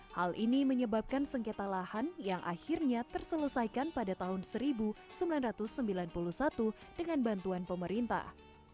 hal ini menyebabkan sengketa lahan yang akhirnya terselesaikan pada tahun seribu sembilan ratus sembilan puluh satu dengan bantuan pemerintah